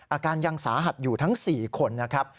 อาการยังสาหัสอยู่ทั้ง๔คนนะครับ